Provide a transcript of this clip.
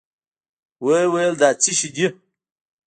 ويې ويل دا څه شې دي؟